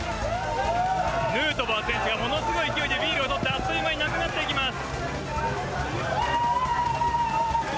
ヌートバー選手がものすごい勢いでビールを取ってあっという間になくなっていきます。